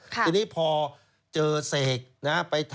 ทีนี้พอเจอเสกนะฮะ